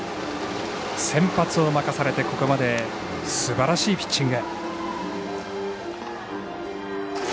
先発を任されてここまですばらしいピッチング。